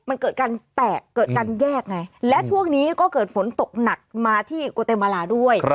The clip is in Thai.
มันเกิดการแตกเกิดการแยกไงและช่วงนี้ก็เกิดฝนตกหนักมาที่โกเตมาลาด้วย